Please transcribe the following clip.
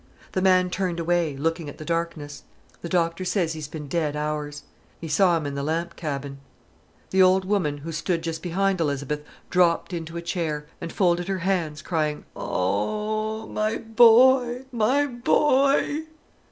The man turned away, looking at the darkness: "The doctor says 'e'd been dead hours. 'E saw 'im i' th' lamp cabin." The old woman, who stood just behind Elizabeth, dropped into a chair, and folded her hands, crying: "Oh, my boy, my boy!"